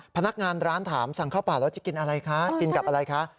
พนักงานร้านถามสั่งข้าวเปล่าแล้วจะกินอะไรคะกินกับอะไรคะ